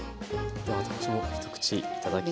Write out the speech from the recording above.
では私も一口いただきます。